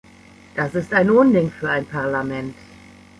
Das ist ein Unding für ein Parlament.